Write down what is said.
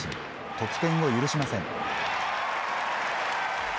得点を許しません。